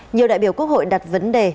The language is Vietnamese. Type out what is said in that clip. nhiều đại biểu quốc hội đặt vấn đề